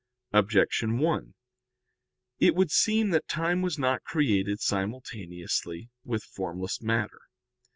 Objection 1: It would seem that time was not created simultaneously with formless matter.